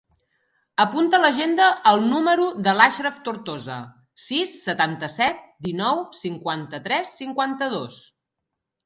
Apunta a l'agenda el número de l'Achraf Tortosa: sis, setanta-set, dinou, cinquanta-tres, cinquanta-dos.